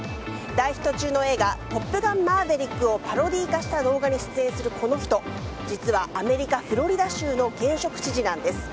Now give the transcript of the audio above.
大ヒット中の映画「トップガンマーヴェリック」をパロディー化した動画に出演するこの人実は、アメリカ・フロリダ州の現職知事なんです。